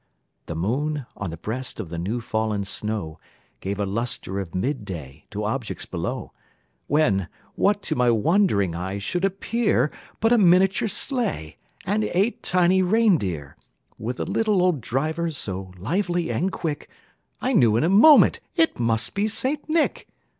The moon, on the breast of the new fallen snow, Gave a lustre of mid day to objects below; When, what to my wondering eyes should appear, But a miniature sleigh, and eight tiny rein deer, With a little old driver, so lively and quick, I knew in a moment it must be St. Nick.